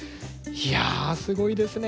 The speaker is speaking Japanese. いやすごいですね。